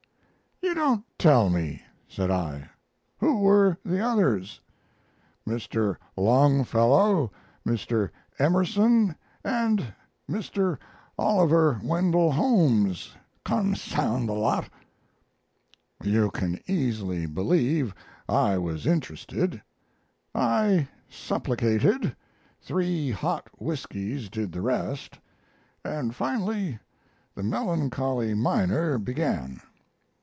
"You don't tell me!" said I; "who were the others?" "Mr. Longfellow. Mr. Emerson, and Mr. Oliver Wendell Holmes consound the lot!" You can easily believe I was interested. I supplicated three hot whiskies did the rest and finally the melancholy miner began.